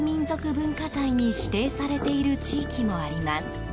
文化財に指定されている地域もあります。